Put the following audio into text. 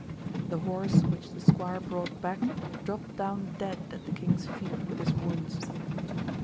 The horse which the squire brought back dropt down dead at the king's feet with his wounds.